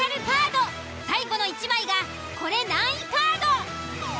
カード最後の１枚が「これ何位？カード」。